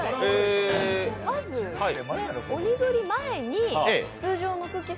まず鬼ぞり前に通常のくっきー！